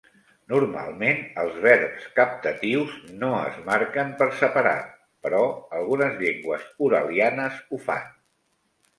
Normalment, els verbs captatius no es marquen per separat, però algunes llengües uralianes ho fan.